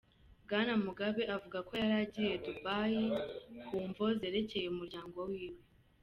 Bwana Mugabe avuga ko yari yagiye Dubai ku mvo zerekeye umuryango wiwe.